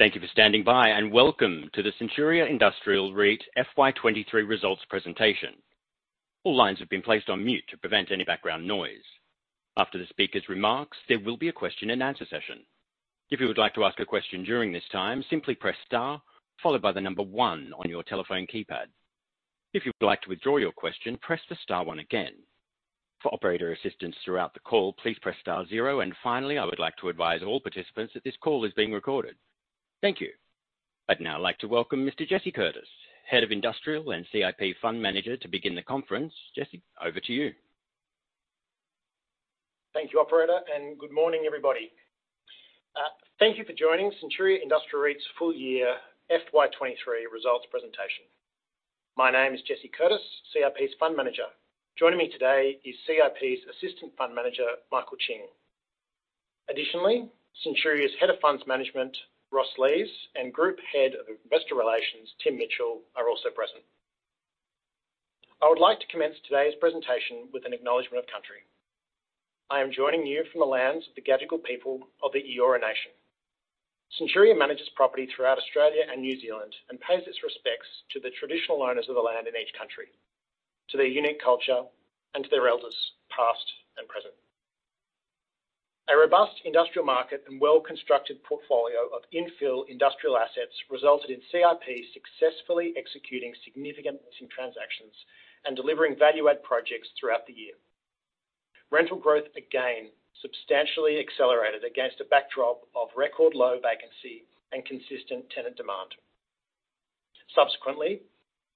Thank you for standing by, welcome to the Centuria Industrial REIT FY 2023 results presentation. All lines have been placed on mute to prevent any background noise. After the speaker's remarks, there will be a question-and-answer session. If you would like to ask a question during this time, simply press star, followed by one on your telephone keypad. If you would like to withdraw your question, press the star, one again. For operator assistance throughout the call, please press star zero, finally, I would like to advise all participants that this call is being recorded. Thank you. I'd now like to welcome Mr. Jesse Curtis, Head of Industrial and CIP Fund Manager, to begin the conference. Jesse, over to you. Thank you, operator, and good morning, everybody. Thank you for joining Centuria Industrial REIT's full year FY 2023 results presentation. My name is Jesse Curtis, CIP's Fund Manager. Joining me today is CIP's Assistant Fund Manager, Michael Ching. Additionally, Centuria's Head of Funds Management, Ross Lees, and Group Head of Investor Relations, Tim Mitchell, are also present. I would like to commence today's presentation with an acknowledgement of country. I am joining you from the lands of the Gadigal people of the Eora Nation. Centuria manages property throughout Australia and New Zealand and pays its respects to the traditional owners of the land in each country, to their unique culture, and to their elders, past and present. A robust industrial market and well-constructed portfolio of infill industrial assets resulted in CIP successfully executing significant leasing transactions and delivering value-add projects throughout the year. Rental growth again substantially accelerated against a backdrop of record low vacancy and consistent tenant demand. Subsequently,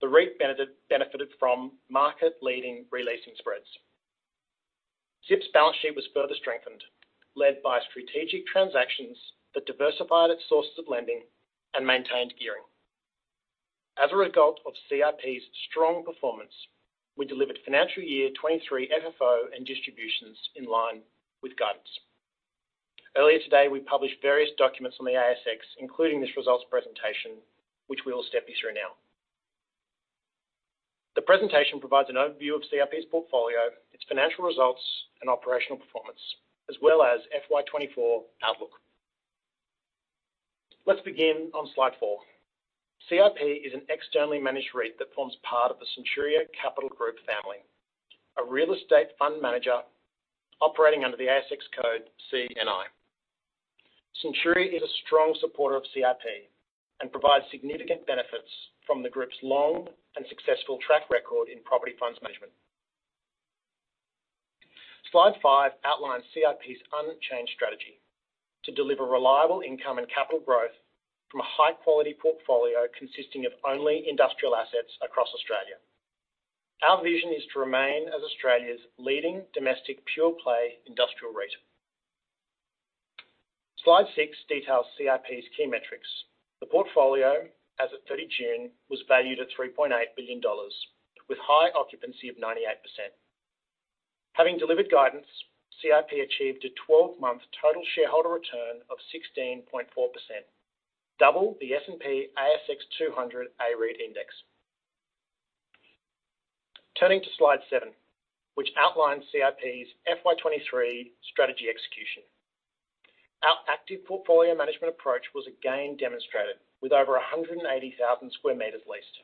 the REIT benefited from market-leading re-leasing spreads. CIP's balance sheet was further strengthened, led by strategic transactions that diversified its sources of lending and maintained gearing. As a result of CIP's strong performance, we delivered financial year 2023 FFO and distributions in line with guidance. Earlier today, we published various documents on the ASX, including this results presentation, which we will step you through now. The presentation provides an overview of CIP's portfolio, its financial results, and operational performance, as well as FY 2024 outlook. Let's begin on slide four. CIP is an externally managed REIT that forms part of the Centuria Capital Group family, a real estate fund manager operating under the ASX code CNI. Centuria is a strong supporter of CIP and provides significant benefits from the group's long and successful track record in property funds management. Slide five outlines CIP's unchanged strategy: to deliver reliable income and capital growth from a high-quality portfolio consisting of only industrial assets across Australia. Our vision is to remain as Australia's leading domestic pure-play industrial REIT. Slide six details CIP's key metrics. The portfolio, as of June 30, was valued at 3.8 billion dollars, with high occupancy of 98%. Having delivered guidance, CIP achieved a 12-month total shareholder return of 16.4%, double the S&P/ASX 200 A-REIT Index. Turning to slide seven, which outlines CIP's FY 2023 strategy execution. Our active portfolio management approach was again demonstrated with over 180,000 sq m leased.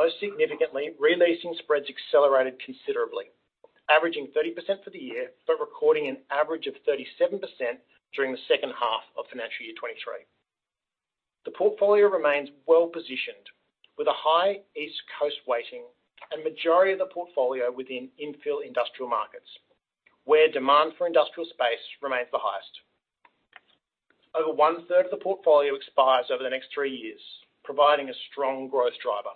Most significantly, re-leasing spreads accelerated considerably, averaging 30% for the year, recording an average of 37% during the second half of financial year 2023. The portfolio remains well-positioned, with a high East Coast weighting and majority of the portfolio within infill industrial markets, where demand for industrial space remains the highest. Over 1/3 of the portfolio expires over the next three years, providing a strong growth driver.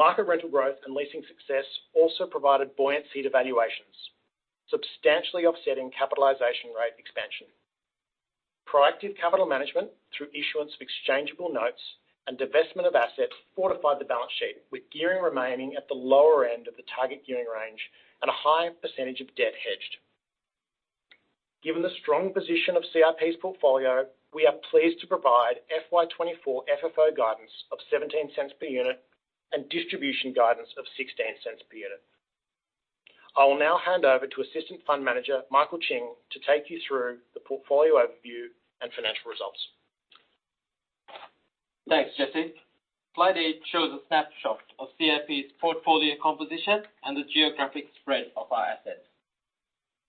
Market rental growth and leasing success also provided buoyancy to valuations, substantially offsetting capitalization rate expansion. Proactive capital management through issuance of exchangeable notes and divestment of assets fortified the balance sheet, with gearing remaining at the lower end of the target gearing range and a high percentage of debt hedged. Given the strong position of CIP's portfolio, we are pleased to provide FY 2024 FFO guidance of 0.17 per unit and distribution guidance of 0.16 per unit. I will now hand over to Assistant Fund Manager, Michael Ching, to take you through the portfolio overview and financial results. Thanks, Jesse. Slide eight shows a snapshot of CIP's portfolio composition and the geographic spread of our assets.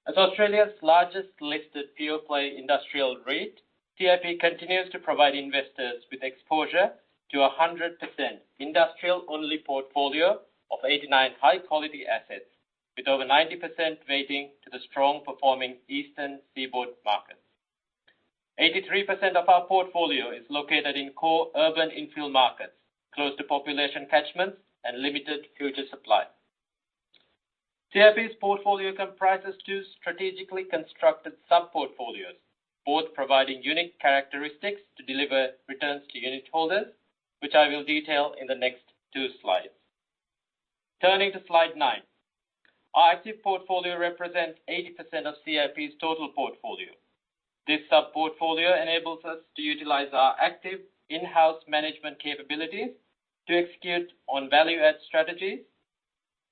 As Australia's largest listed pure-play industrial REIT, CIP continues to provide investors with exposure to a 100% industrial-only portfolio of 89 high-quality assets, with over 90% weighting to the strong-performing eastern seaboard markets. 83% of our portfolio is located in core urban infill markets, close to population catchments and limited future supply. CIP's portfolio comprises two strategically constructed sub-portfolios, both providing unique characteristics to deliver returns to unitholders, which I will detail in the next two slides. Turning to slide nine. Our active portfolio represents 80% of CIP's total portfolio. This sub-portfolio enables us to utilize our active in-house management capabilities to execute on value add strategies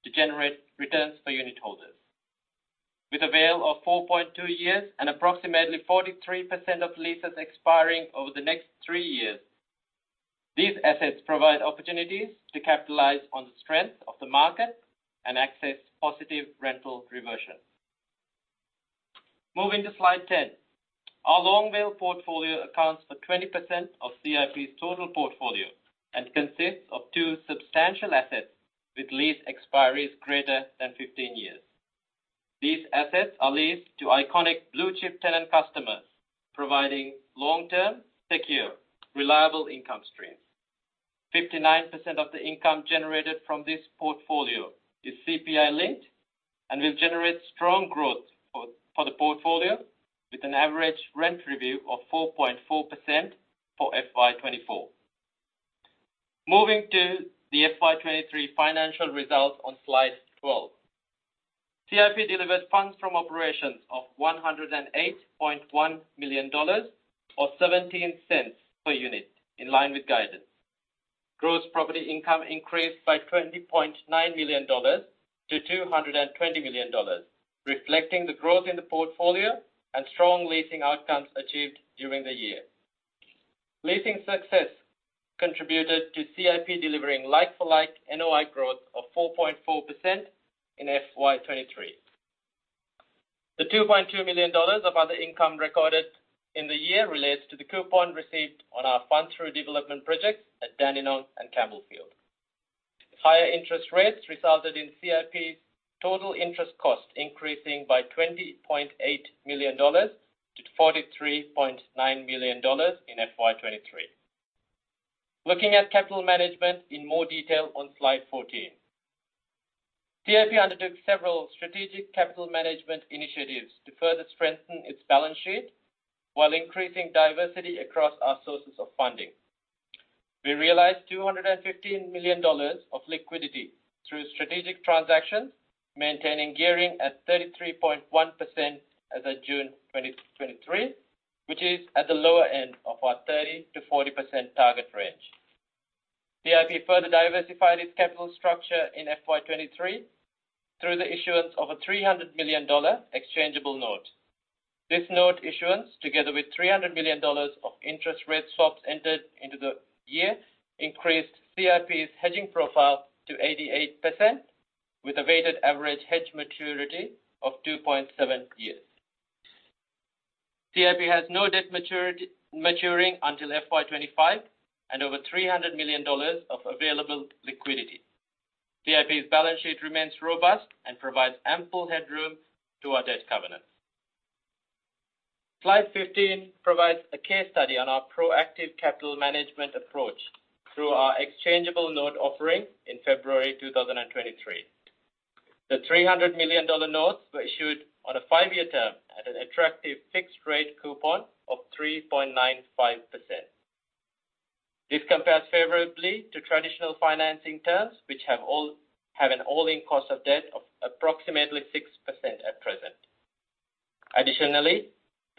to generate returns for unitholders. With a WALE of 4.2 years and approximately 43% of leases expiring over the next three years, these assets provide opportunities to capitalize on the strength of the market and access positive rental reversions. Moving to Slide 10. Our long WALE portfolio accounts for 20% of CIP's total portfolio and consists of two substantial assets, with lease expiries greater than 15 years. These assets are leased to iconic blue-chip tenant customers, providing long-term, secure, reliable income streams. 59% of the income generated from this portfolio is CPI linked and will generate strong growth for the portfolio, with an average rent review of 4.4% for FY 2024. Moving to the FY 2023 financial results on Slide 12. CIP delivered funds from operations of 108.1 million dollars, or 0.17 per unit, in line with guidance. Gross property income increased by 20.9 million dollars to 220 million dollars, reflecting the growth in the portfolio and strong leasing outcomes achieved during the year. Leasing success contributed to CIP delivering like-for-like NOI growth of 4.4% in FY 2023. The 2.2 million dollars of other income recorded in the year relates to the coupon received on our fund-through development projects at Dandenong and Campbellfield. Higher interest rates resulted in CIP's total interest cost increasing by 20.8 million dollars to 43.9 million dollars in FY 2023. Looking at capital management in more detail on slide 14. CIP undertook several strategic capital management initiatives to further strengthen its balance sheet while increasing diversity across our sources of funding. We realized 215 million dollars of liquidity through strategic transactions, maintaining gearing at 33.1% as at June 2023, which is at the lower end of our 30%-40% target range. CIP further diversified its capital structure in FY 2023 through the issuance of a 300 million dollar Exchangeable Note. This note issuance, together with 300 million dollars of interest rate swaps entered into the year, increased CIP's hedging profile to 88%, with a weighted average hedge maturity of 2.7 years. CIP has no debt maturing until FY 2025 and over 300 million dollars of available liquidity. CIP's balance sheet remains robust and provides ample headroom to our debt covenants. Slide 15 provides a case study on our proactive capital management approach through our Exchangeable Note offering in February 2023. The 300 million dollar notes were issued on a five-year term at an attractive fixed rate coupon of 3.95%. This compares favorably to traditional financing terms, which have an all-in cost of debt of approximately 6% at present. Additionally,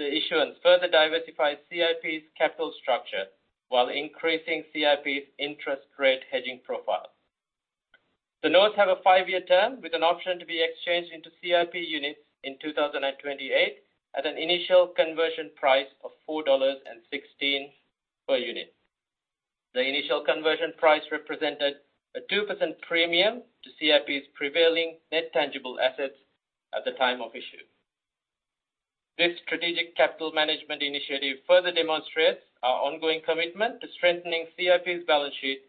the issuance further diversifies CIP's capital structure while increasing CIP's interest rate hedging profile. The notes have a five-year term with an option to be exchanged into CIP units in 2028 at an initial conversion price of 4.16 dollars per unit. The initial conversion price represented a 2% premium to CIP's prevailing Net Tangible Assets at the time of issue. This strategic capital management initiative further demonstrates our ongoing commitment to strengthening CIP's balance sheet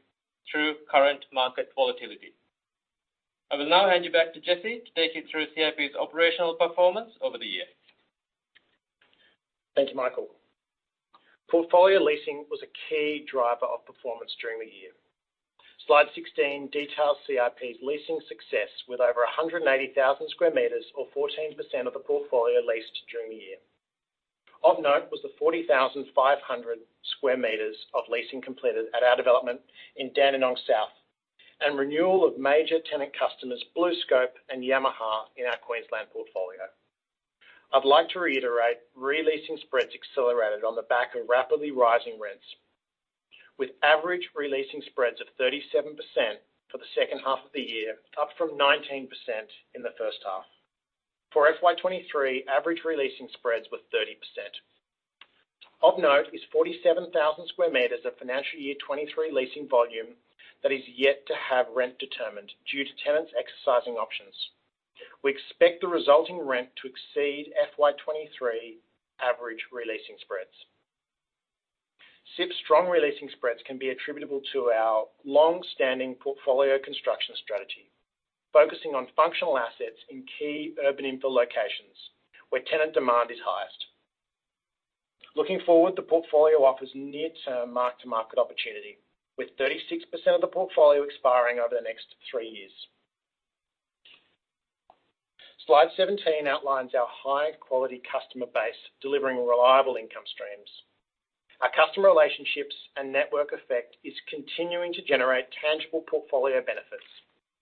through current market volatility. I will now hand you back to Jesse to take you through CIP's operational performance over the year. Thank you, Michael. Portfolio leasing was a key driver of performance during the year. Slide 16 details CIP's leasing success, with over 180,000 sq m, or 14% of the portfolio, leased during the year. Of note, was the 40,500 sq m of leasing completed at our development in Dandenong South, and renewal of major tenant customers, BlueScope and Yamaha, in our Queensland portfolio. I'd like to reiterate re-leasing spreads accelerated on the back of rapidly rising rents, with average re-leasing spreads of 37% for the second half of the year, up from 19% in the first half. For FY 2023, average re-leasing spreads were 30%. Of note, is 47,000 sq m of financial year 2023 leasing volume that is yet to have rent determined due to tenants exercising options. We expect the resulting rent to exceed FY 2023 average re-leasing spreads. CIP's strong re-leasing spreads can be attributable to our long-standing portfolio construction strategy, focusing on functional assets in key urban infill locations where tenant demand is highest. Looking forward, the portfolio offers near-term mark-to-market opportunity, with 36% of the portfolio expiring over the next three years. Slide 17 outlines our high-quality customer base, delivering reliable income streams. Our customer relationships and network effect is continuing to generate tangible portfolio benefits,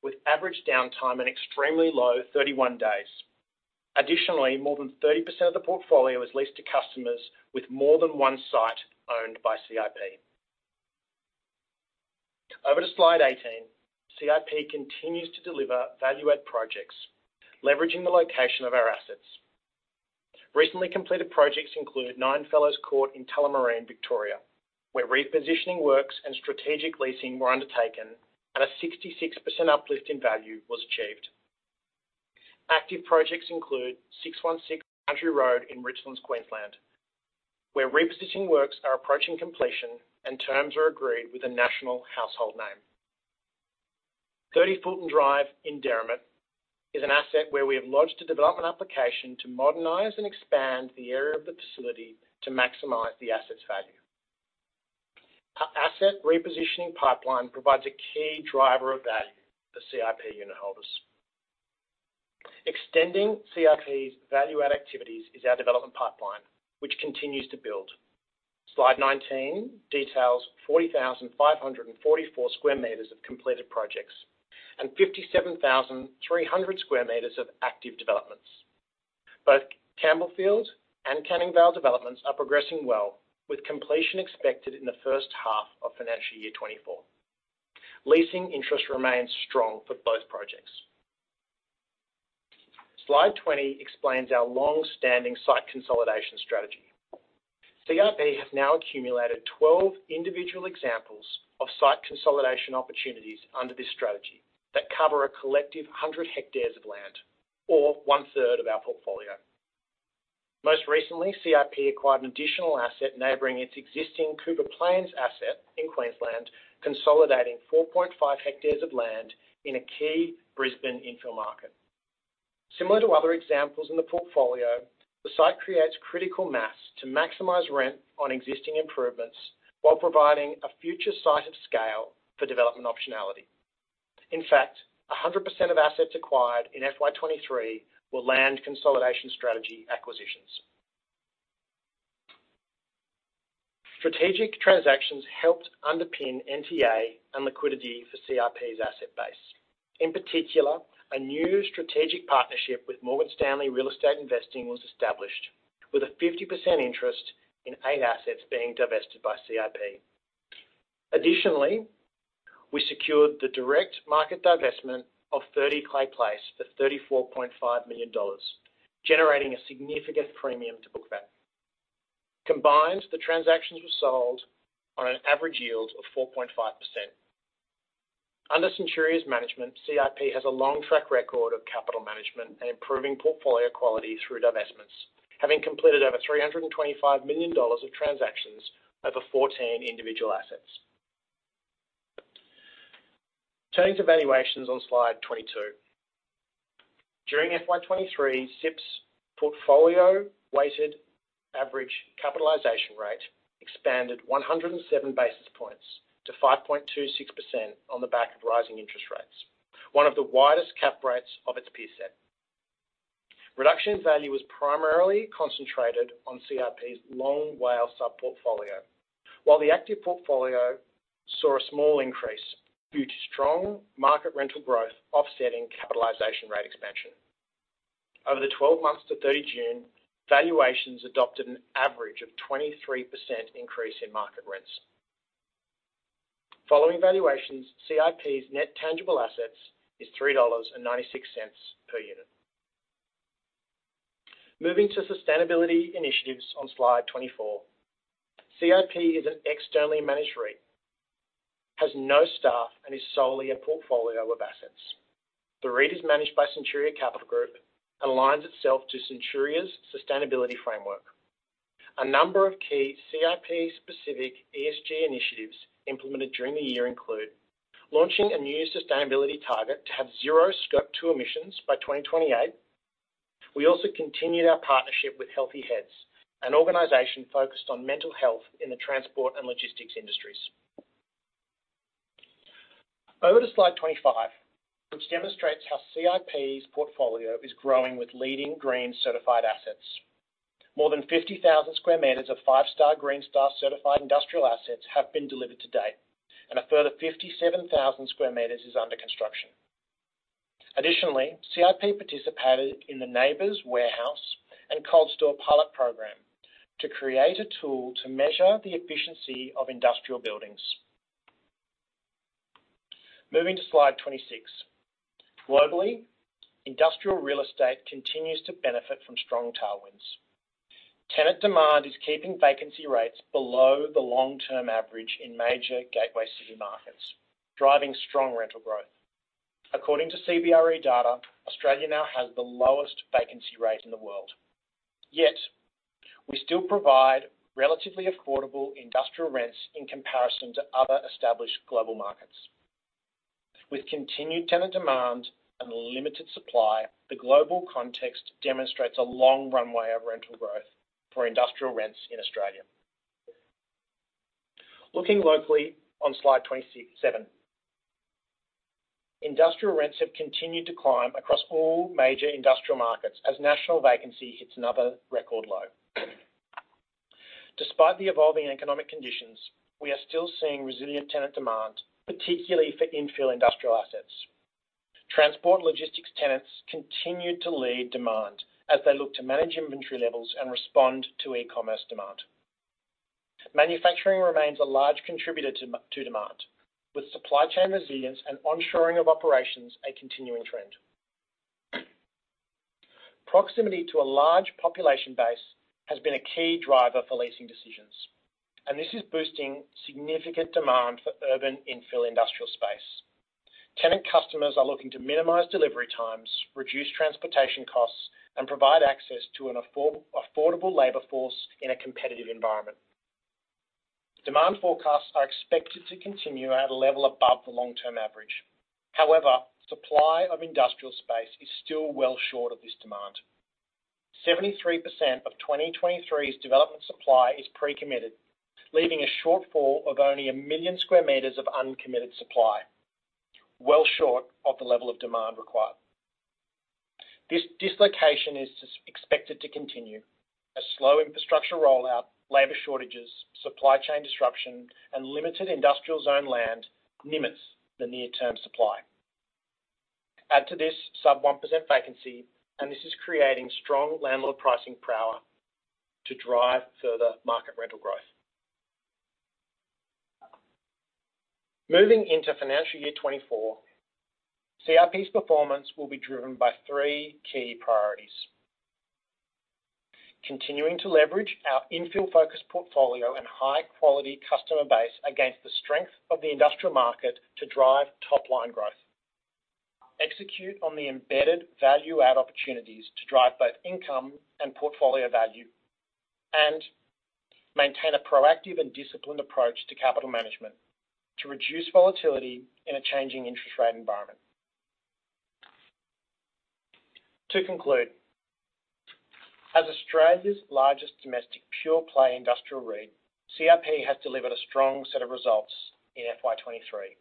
with average downtime an extremely low 31 days. Additionally, more than 30% of the portfolio is leased to customers with more than 1 site owned by CIP. Over to slide 18. CIP continues to deliver value-add projects, leveraging the location of our assets. Recently completed projects include 9 Fellowes Court in Tullamarine, Victoria, where repositioning works and strategic leasing were undertaken, and a 66% uplift in value was achieved. Active projects include 616 Boundary Road in Richlands, Queensland, where repositioning works are approaching completion and terms are agreed with a national household name. 30 Fulton Drive in Derrimut is an asset where we have lodged a development application to modernize and expand the area of the facility to maximize the asset's value. Our asset repositioning pipeline provides a key driver of value for CIP unitholders. Extending CIP's value-add activities is our development pipeline, which continues to build. Slide 19 details 40,544 sq m of completed projects and 57,300 sq m of active developments. Both Campbellfield and Canning Vale developments are progressing well, with completion expected in the first half of financial year 2024. Leasing interest remains strong for both projects. Slide 20 explains our long-standing site consolidation strategy. CIP has now accumulated 12 individual examples of site consolidation opportunities under this strategy that cover a collective 100 hectares of land, or one-third of our portfolio. Most recently, CIP acquired an additional asset neighboring its existing Cooper Plains asset in Queensland, consolidating 4.5 hectares of land in a key Brisbane infill market. Similar to other examples in the portfolio, the site creates critical mass to maximize rent on existing improvements while providing a future site of scale for development optionality. In fact, 100% of assets acquired in FY 2023 were land consolidation strategy acquisitions. Strategic transactions helped underpin NTA and liquidity for CIP's asset base. In particular, a new strategic partnership with Morgan Stanley Real Estate Investing was established, with a 50% interest in eight assets being divested by CIP. Additionally, we secured the direct market divestment of 30 Clay Place for 34.5 million dollars, generating a significant premium to book value. Combined, the transactions were sold on an average yield of 4.5%. Under Centuria's management, CIP has a long track record of capital management and improving portfolio quality through divestments, having completed over 325 million dollars of transactions over 14 individual assets. Turning to valuations on slide 22. During FY 2023, CIP's portfolio Weighted Average Capitalisation Rate expanded 107 basis points to 5.26% on the back of rising interest rates, one of the widest Cap Rates of its peer set. Reduction in value was primarily concentrated on CIP's Long WALE sub-portfolio, while the active portfolio saw a small increase due to strong market rental growth, offsetting capitalization rate expansion. Over the 12 months to 30 June, valuations adopted an average of 23% increase in market rents. Following valuations, CIP's net tangible assets is 3.96 dollars per unit. Moving to sustainability initiatives on slide 24. CIP is an externally managed REIT, has no staff, and is solely a portfolio of assets. The REIT is managed by Centuria Capital Group and aligns itself to Centuria's sustainability framework. A number of key CIP-specific ESG initiatives implemented during the year include launching a new sustainability target to have zero Scope 2 Emissions by 2028. We also continued our partnership with Healthy Heads, an organization focused on mental health in the transport and logistics industries. Over to slide 25, which demonstrates how CIP's portfolio is growing with leading green certified assets. More than 50,000 sq m of five-star Green Star certified industrial assets have been delivered to date, and a further 57,000 sq m is under construction. Additionally, CIP participated in the NABERS Warehouse and Cold Store Pilot program to create a tool to measure the efficiency of industrial buildings. Moving to slide 26. Globally, industrial real estate continues to benefit from strong tailwinds. Tenant demand is keeping vacancy rates below the long-term average in major gateway city markets, driving strong rental growth. According to CBRE data, Australia now has the lowest vacancy rate in the world, yet we still provide relatively affordable industrial rents in comparison to other established global markets. With continued tenant demand and limited supply, the global context demonstrates a long runway of rental growth for industrial rents in Australia. Looking locally on slide 26, seven, industrial rents have continued to climb across all major industrial markets as national vacancy hits another record low. Despite the evolving economic conditions, we are still seeing resilient tenant demand, particularly for infill industrial assets. Transport logistics tenants continued to lead demand as they look to manage inventory levels and respond to e-commerce demand. Manufacturing remains a large contributor to demand, with supply chain resilience and onshoring of operations a continuing trend. Proximity to a large population base has been a key driver for leasing decisions, and this is boosting significant demand for urban infill industrial space. Tenant customers are looking to minimize delivery times, reduce transportation costs, and provide access to an affordable labor force in a competitive environment. Demand forecasts are expected to continue at a level above the long-term average. However, supply of industrial space is still well short of this demand. 73% of 2023's development supply is pre-committed, leaving a shortfall of only 1 million sq m of uncommitted supply, well short of the level of demand required. This dislocation is expected to continue as slow infrastructure rollout, labor shortages, supply chain disruption, and limited industrial zone land limits the near-term supply. Add to this, sub 1% vacancy, and this is creating strong landlord pricing power to drive further market rental growth. Moving into financial year 2024, CIP's performance will be driven by three key priorities: continuing to leverage our infill-focused portfolio and high-quality customer base against the strength of the industrial market to drive top-line growth, execute on the embedded value-add opportunities to drive both income and portfolio value, and maintain a proactive and disciplined approach to capital management to reduce volatility in a changing interest rate environment. To conclude, as Australia's largest domestic pure-play industrial REIT, CIP has delivered a strong set of results in FY 2023.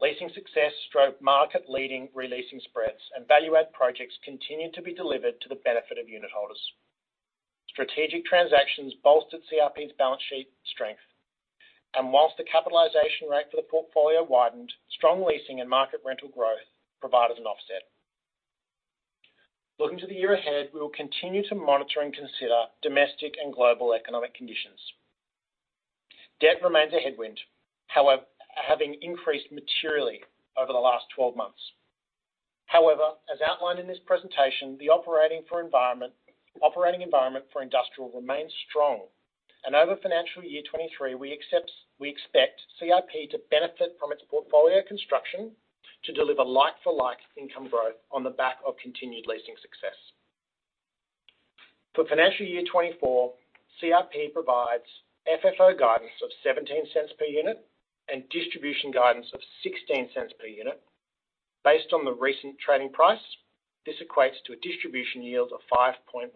Leasing success/market-leading re-leasing spreads and value-add projects continued to be delivered to the benefit of unitholders. Strategic transactions bolstered CIP's balance sheet strength, and whilst the capitalization rate for the portfolio widened, strong leasing and market rental growth provided an offset. Looking to the year ahead, we will continue to monitor and consider domestic and global economic conditions. Debt remains a headwind, however, having increased materially over the last 12 months. As outlined in this presentation, the operating environment for industrial remains strong, and over financial year 2023, we expect CIP to benefit from its portfolio construction to deliver like-for-like income growth on the back of continued leasing success. For financial year 2024, CIP provides FFO guidance of 0.17 per unit and distribution guidance of 0.16 per unit. Based on the recent trading price, this equates to a distribution yield of 5.1%.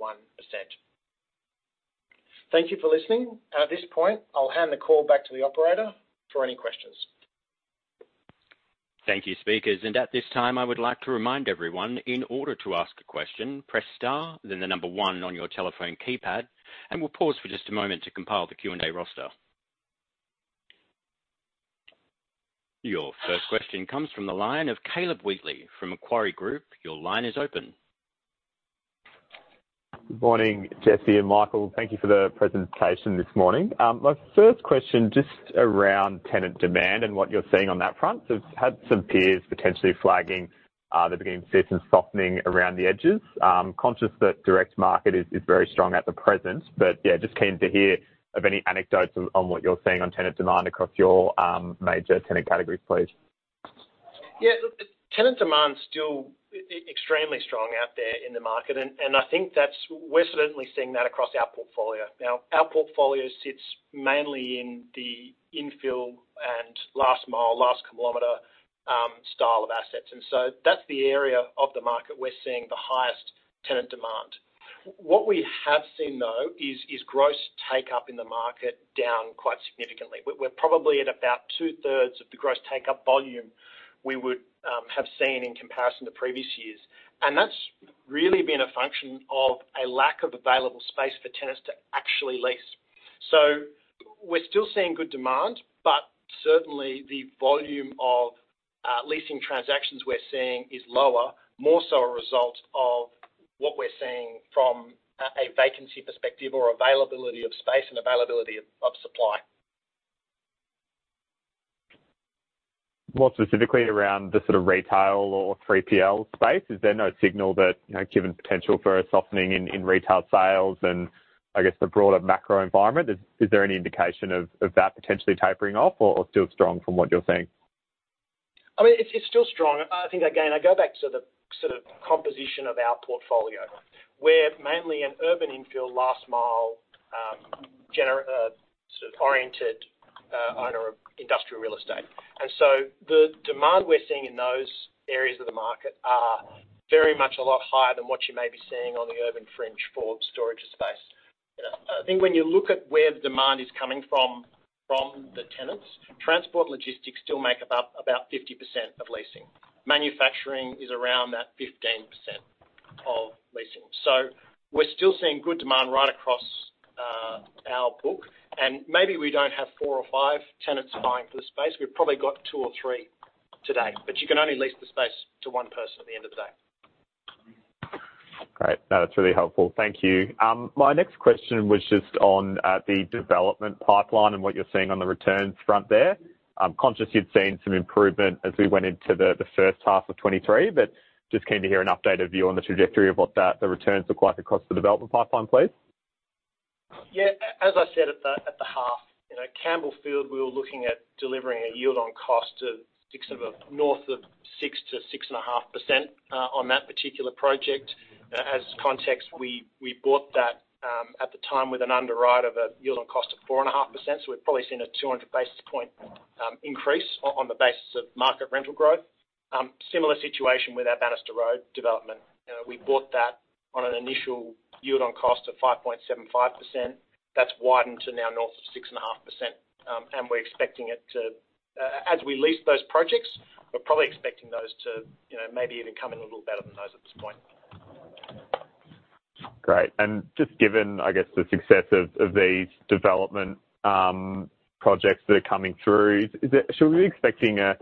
Thank you for listening, and at this point, I'll hand the call back to the operator for any questions. Thank you, speakers. At this time, I would like to remind everyone, in order to ask a question, press star, then the number one on your telephone keypad, and we'll pause for just a moment to compile the Q&A roster. Your first question comes from the line of Caleb Wheatley from Macquarie Group. Your line is open. Good morning, Jesse and Michael. Thank you for the presentation this morning. My first question, just around tenant demand and what you're seeing on that front. We've had some peers potentially flagging, they're beginning to see some softening around the edges. Conscious that direct market is, is very strong at the present, but yeah, just keen to hear of any anecdotes on, on what you're seeing on tenant demand across your major tenant categories, please. Yeah, look, tenant demand is still extremely strong out there in the market, and, and I think that's, we're certainly seeing that across our portfolio. Now, our portfolio sits mainly in the Infill and Last Mile, Last Kilometre style of assets, and so that's the area of the market we're seeing the highest tenant demand. What we have seen, though, is, is gross takeup in the market down quite significantly. We're probably at about two-thirds of the gross take-up volume we would have seen in comparison to previous years. That's really been a function of a lack of available space for tenants to actually lease. We're still seeing good demand, but certainly, the volume of leasing transactions we're seeing is lower, more so a result of what we're seeing from a vacancy perspective or availability of space and availability of, of supply. More specifically around the sort of retail or 3PL space, is there no signal that, you know, given potential for a softening in, in retail sales and, I guess, the broader macro environment, is, is there any indication of, of that potentially tapering off or still strong from what you're seeing? I mean, it's, it's still strong. I think again, I go back to the sort of composition of our portfolio, where mainly in urban infill, last mile, sort of oriented, owner of industrial real estate. The demand we're seeing in those areas of the market are very much a lot higher than what you may be seeing on the urban fringe for storage space. I think when you look at where the demand is coming from, from the tenants, transport logistics still make up about 50% of leasing. Manufacturing is around that 15% of leasing. We're still seeing good demand right across-... book, and maybe we don't have four or five tenants vying for the space. We've probably got two or three today, but you can only lease the space to one person at the end of the day. Great. That's really helpful. Thank you. My next question was just on the development pipeline and what you're seeing on the returns front there. I'm conscious you've seen some improvement as we went into the first half of 2023, but just keen to hear an updated view on the trajectory of what that, the returns look like across the development pipeline, please. Yeah, as I said, at the half, you know, Campbellfield, we were looking at delivering a Yield on Cost north of 6% to 6.5% on that particular project. As context, we bought that at the time with an underwrite of a Yield on Cost of 4.5%, so we've probably seen a 200 basis point increase on the basis of market rental growth. Similar situation with our Bannister Road development. You know, we bought that on an initial Yield on Cost of 5.75%. That's widened to now north of 6.5%. We're expecting it to, as we lease those projects, we're probably expecting those to, you know, maybe even come in a little better than those at this point. Great. Just given, I guess, the success of these development projects that are coming through, should we be expecting a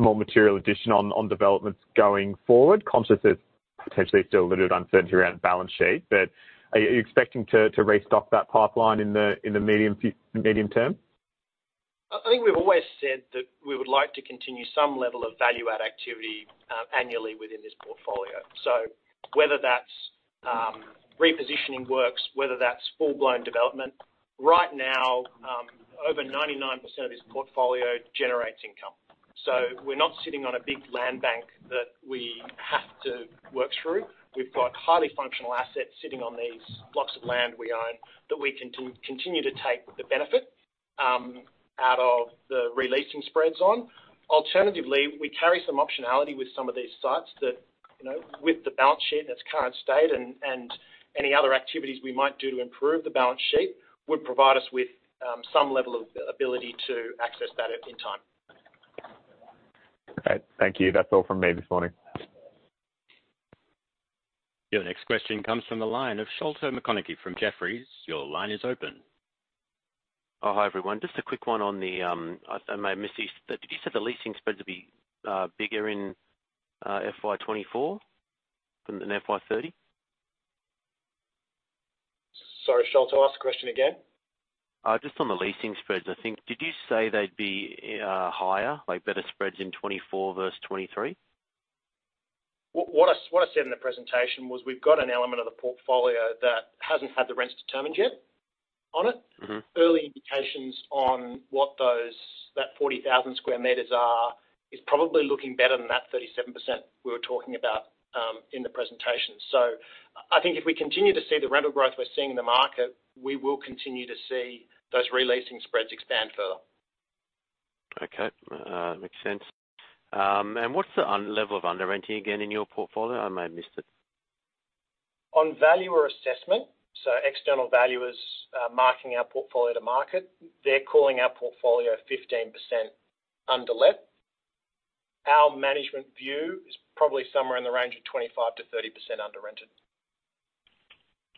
more material addition on developments going forward? Conscious there's potentially still a little uncertainty around balance sheet, but are you expecting to restock that pipeline in the medium term? I think we've always said that we would like to continue some level of value-add activity, annually within this portfolio. Whether that's repositioning works, whether that's full-blown development, right now, over 99% of this portfolio generates income. We're not sitting on a big land bank that we have to work through. We've got highly functional assets sitting on these blocks of land we own, that we can continue to take the benefit out of the re-leasing spreads on. Alternatively, we carry some optionality with some of these sites that, you know, with the balance sheet, its current state and, and any other activities we might do to improve the balance sheet, would provide us with some level of ability to access that at any time. Great. Thank you. That's all from me this morning. Your next question comes from the line of Sholto Maconochie from Jefferies. Your line is open. Oh, hi, everyone. Just a quick one on the, I may have missed this. Did you say the leasing spreads will be bigger in FY 2024 than in FY 2030? Sorry, Sholto, ask the question again. Just on the leasing spreads, I think. Did you say they'd be higher, like better spreads in 2024 versus 2023? What I, what I said in the presentation was, we've got an element of the portfolio that hasn't had the rents determined yet on it. Mm-hmm. Early indications on what those, that 40,000 sq is probably looking better than that 37% we were talking about in the presentation. I think if we continue to see the rental growth we're seeing in the market, we will continue to see those re-leasing spreads expand further. Okay. makes sense. What's the level of under-renting again in your portfolio? I may have missed it. On valuer assessment, so external valuers, marking our portfolio to market, they're calling our portfolio 15% under let. Our management view is probably somewhere in the range of 25%-30% under-rented.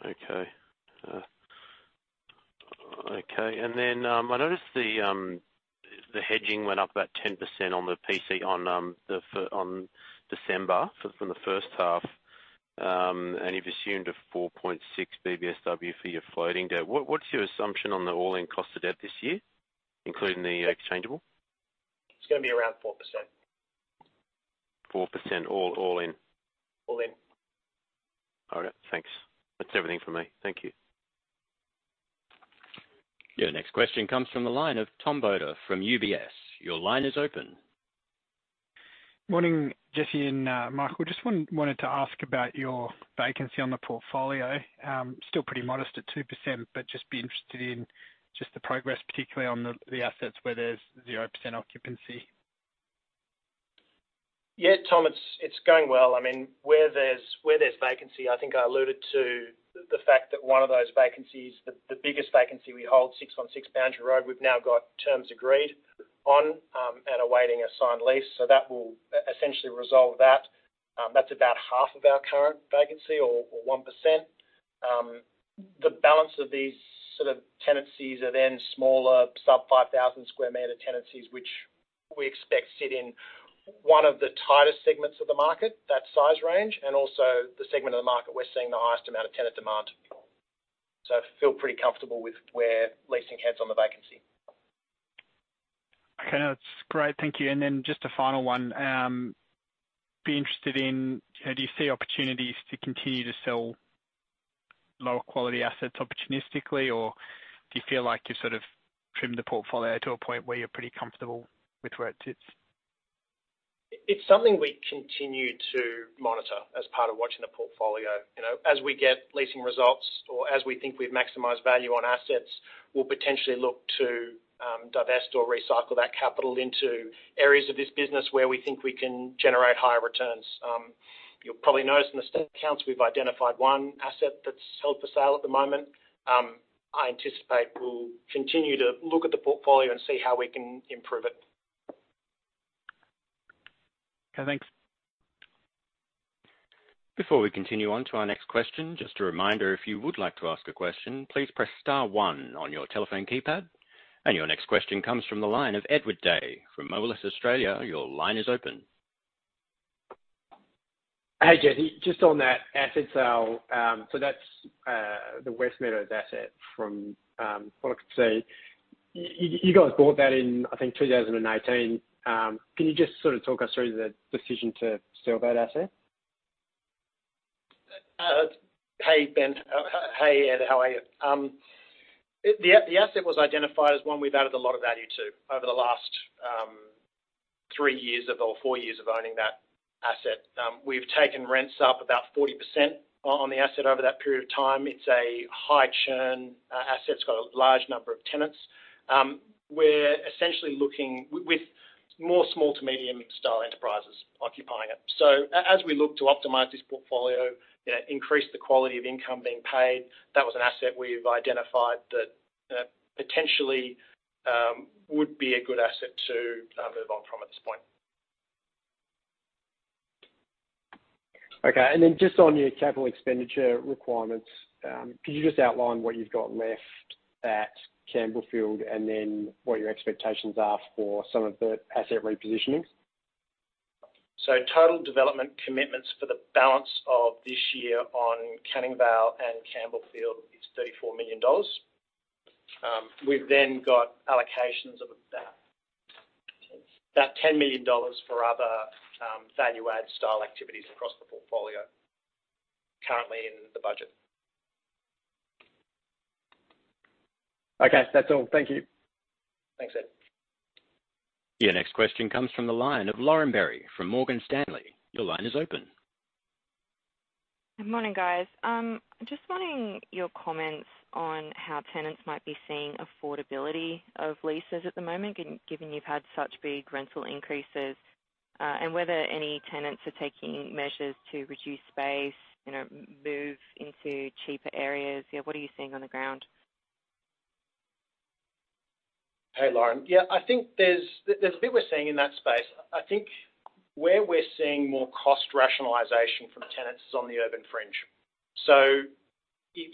Okay. Okay. Then, I noticed the, the hedging went up about 10% on the PC on, the on December from the first half. You've assumed a 4.6 BBSW for your floating debt. What, what's your assumption on the all-in cost of debt this year, including the Exchangeable? It's gonna be around 4%. 4%, all, all in? All in. All right, thanks. That's everything for me. Thank you. Your next question comes from the line of Tom Bodor from UBS. Your line is open. Morning, Jesse and Michael. Just wanted to ask about your vacancy on the portfolio. Still pretty modest at 2%, but just be interested in just the progress, particularly on the assets where there's 0% occupancy. Yeah, Tom Bodor, it's, it's going well. I mean, where there's, where there's vacancy, I think I alluded to the fact that one of those vacancies, the, the biggest vacancy we hold, 616 Boundary Road, we've now got terms agreed on and awaiting a signed lease. That will essentially resolve that. That's about half of our current vacancy or 1%. The balance of these sort of tenancies are then smaller, sub 5,000 sq m tenancies, which we expect sit in one of the tighter segments of the market, that size range, and also the segment of the market we're seeing the highest amount of tenant demand. Feel pretty comfortable with where leasing heads on the vacancy. Okay, that's great. Thank you. Then just a final one. Be interested in, you know, do you see opportunities to continue to sell lower quality assets opportunistically, or do you feel like you've sort of trimmed the portfolio to a point where you're pretty comfortable with where it sits? It's something we continue to monitor as part of watching the portfolio. You know, as we get leasing results or as we think we've maximized value on assets, we'll potentially look to divest or recycle that capital into areas of this business where we think we can generate higher returns. You'll probably notice in the state accounts, we've identified one asset that's held for sale at the moment. I anticipate we'll continue to look at the portfolio and see how we can improve it. Okay, thanks. Before we continue on to our next question, just a reminder, if you would like to ask a question, please press star one on your telephone keypad. Your next question comes from the line of Edward Day from Moelis Australia. Your line is open. Hey, Jesse. Just on that asset sale. That's the Westmeadows asset from what I could say. You guys bought that in, I think, 2018. Can you just sort of talk us through the decision to sell that asset? Hey, Ben. Hey, Ed, how are you? The asset was identified as one we've added a lot of value to over the last three years or four years of owning that asset. We've taken rents up about 40% on the asset over that period of time. It's a high churn asset. It's got a large number of tenants. We're essentially looking with more small to medium-style enterprises occupying it. As we look to optimize this portfolio, you know, increase the quality of income being paid, that was an asset we've identified that potentially would be a good asset to move on from at this point. Okay. Then just on your capital expenditure requirements, could you just outline what you've got left at Campbellfield and then what your expectations are for some of the asset repositioning? Total development commitments for the balance of this year on Canning Vale and Campbellfield is 34 million dollars. We've then got allocations of 10 million dollars for other value add style activities across the portfolio currently in the budget. Okay, that's all. Thank you. Thanks, Ed. Your next question comes from the line of Lauren Berry from Morgan Stanley. Your line is open. Good morning, guys. Just wanting your comments on how tenants might be seeing affordability of leases at the moment, given you've had such big rental increases, and whether any tenants are taking measures to reduce space, you know, move into cheaper areas. Yeah, what are you seeing on the ground? Hey, Lauren. Yeah, I think there's a bit we're seeing in that space.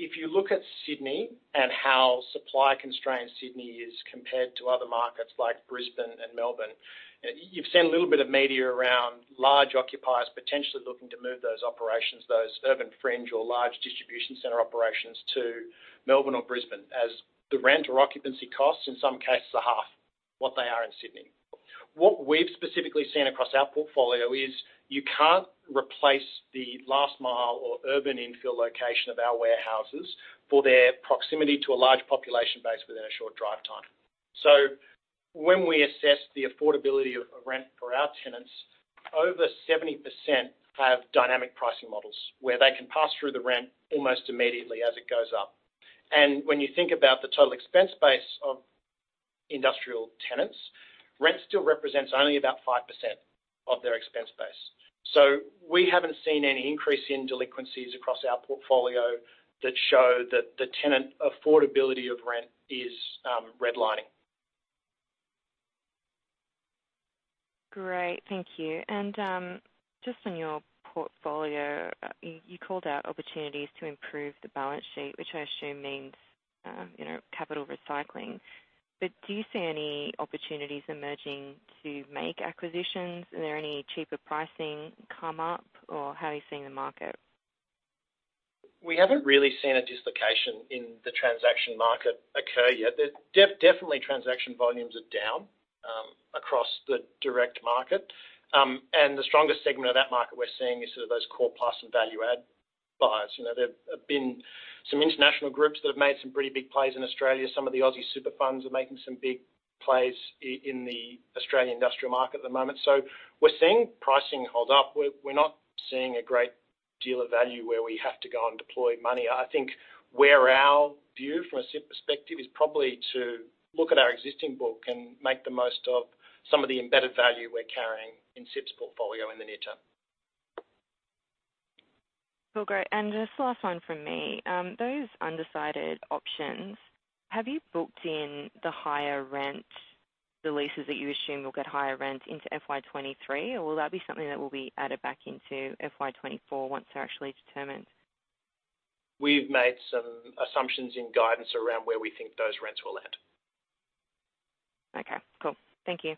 If you look at Sydney and how supply constrained Sydney is compared to other markets like Brisbane and Melbourne, you've seen a little bit of media around large occupiers potentially looking to move those operations, those urban fringe or large distribution center operations, to Melbourne or Brisbane, as the rent or occupancy costs, in some cases, are half what they are in Sydney. What we've specifically seen across our portfolio is you can't replace the Last Mile or Urban Infill location of our warehouses for their proximity to a large population base within a short drive time. When we assess the affordability of, of rent for our tenants, over 70% have dynamic pricing models, where they can pass through the rent almost immediately as it goes up. When you think about the total expense base of industrial tenants, rent still represents only about 5% of their expense base. We haven't seen any increase in delinquencies across our portfolio that show that the tenant affordability of rent is redlining. Great. Thank you. Just on your portfolio, you, you called out opportunities to improve the balance sheet, which I assume means, you know, capital recycling. Do you see any opportunities emerging to make acquisitions? Are there any cheaper pricing come up, or how are you seeing the market? We haven't really seen a dislocation in the transaction market occur yet. Definitely, transaction volumes are down across the direct market. And the strongest segment of that market we're seeing is sort of those core plus and value add buyers. You know, there have been some international groups that have made some pretty big plays in Australia. Some of the Aussie super funds are making some big plays in the Australian industrial market at the moment. So we're seeing pricing hold up. We're, we're not seeing a great deal of value where we have to go and deploy money. I think where our view from a CIP perspective is probably to look at our existing book and make the most of some of the embedded value we're carrying in CIP's portfolio in the near term. Well, great. Just the last one from me. Those undecided options, have you booked in the higher rent, the leases that you assume will get higher rent into FY 2023, or will that be something that will be added back into FY 2024 once they're actually determined? We've made some assumptions in guidance around where we think those rents will land. Okay, cool. Thank you.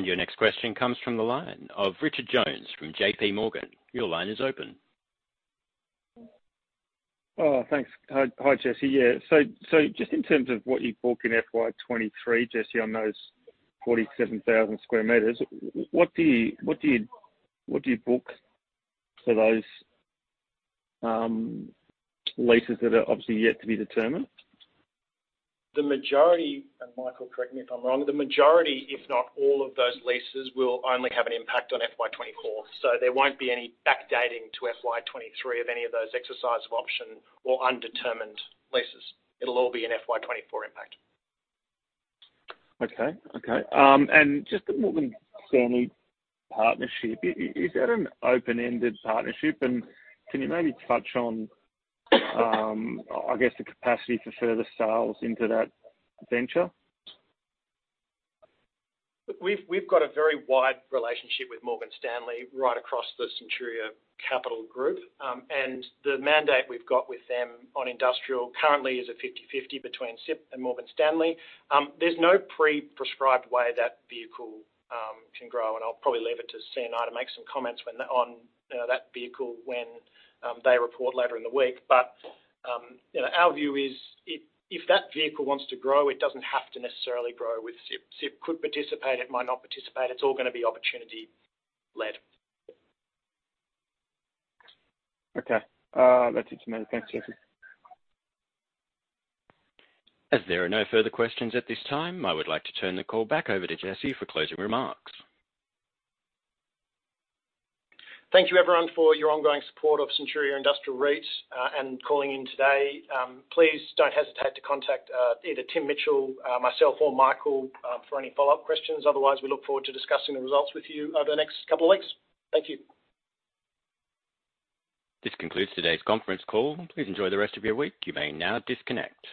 Your next question comes from the line of Richard Jones from JPMorgan. Your line is open. Oh, thanks. Hi, Jesse. Yeah, so, so just in terms of what you book in FY 2023, Jesse, on those 47,000 sq m, what do you book for those leases that are obviously yet to be determined? The majority, Michael, correct me if I'm wrong, the majority, if not all of those leases, will only have an impact on FY 2024. There won't be any backdating to FY 2023 of any of those exercise of option or undetermined leases. It'll all be an FY 2024 impact. Okay, okay. Just the Morgan Stanley partnership, is that an open-ended partnership? Can you maybe touch on, I guess, the capacity for further sales into that venture? We've got a very wide relationship with Morgan Stanley right across the Centuria Capital Group. The mandate we've got with them on industrial currently is a 50/50 between CIP and Morgan Stanley. There's no pre-prescribed way that vehicle can grow, and I'll probably leave it to CNI to make some comments when that vehicle when they report later in the week. You know, our view is if that vehicle wants to grow, it doesn't have to necessarily grow with CIP. CIP could participate, it might not participate. It's all gonna be opportunity-led. Okay. That's it from me. Thanks, Jesse. As there are no further questions at this time, I would like to turn the call back over to Jesse for closing remarks. Thank you, everyone, for your ongoing support of Centuria Industrial REIT, and calling in today. Please don't hesitate to contact either Tim Mitchell, myself or Michael, for any follow-up questions. Otherwise, we look forward to discussing the results with you over the next couple of weeks. Thank you. This concludes today's conference call. Please enjoy the rest of your week. You may now disconnect.